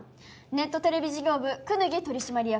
ネットテレビ事業部功刀取締役